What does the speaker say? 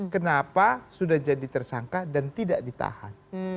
kenapa sudah jadi tersangka dan tidak ditahan